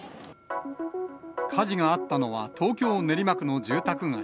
火事があったのは、東京・練馬区の住宅街。